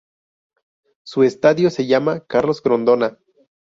Su Estadio se llama "Carlos Grondona".